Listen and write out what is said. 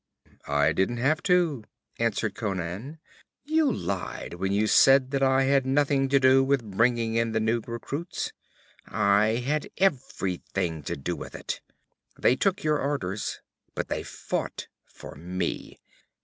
'I didn't have to,' answered Conan. 'You lied when you said I had nothing to do with bringing in the new recruits. I had everything to do with it. They took your orders, but they fought for me.